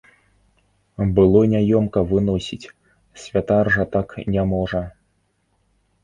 Было няёмка выносіць, святар жа так не можа.